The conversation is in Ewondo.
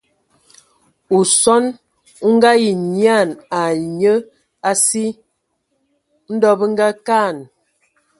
Osɔn o Ngaayi nyian ai nye a si. Ndɔ bə ngakaan.